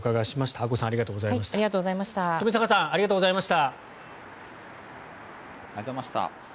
阿古さん、冨坂さんありがとうございました。